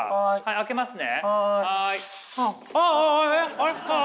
開けますね。